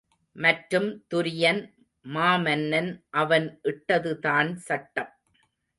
மற்றும் துரியன் மாமன்னன் அவன் இட்டதுதான் சட்டம்.